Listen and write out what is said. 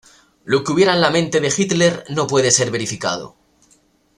Lo que hubiera en la mente de Hitler no puede ser verificado.